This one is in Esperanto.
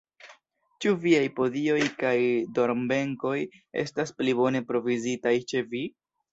Ĉu viaj podioj kaj dormbenkoj estas pli bone provizitaj ĉe vi?